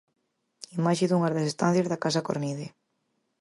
Imaxe dunha das estancias da Casa Cornide.